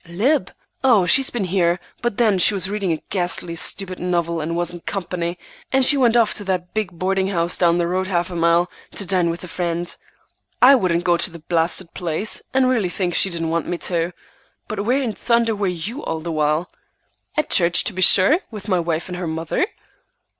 "Lib? Oh, she's been here, but then she was reading a ghastly stupid novel, and wasn't company; and she went off to the big boarding house down the road half a mile, to dine with a friend. I wouldn't go to the blasted place, and really think she didn't want me to. But where in thunder were you all the while?" "At church, to be sure, with my wife and her mother."